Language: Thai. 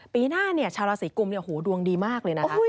ปีหน้าชาวราศีกุมดวงดีมากเลยนะคะ